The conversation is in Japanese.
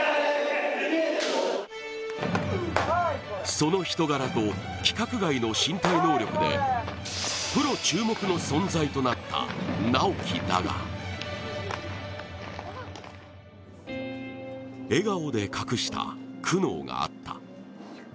その人柄と規格外の身体能力でプロ注目の存在となった直喜だが笑顔で隠した苦悩があった。